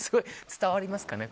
伝わりますかね？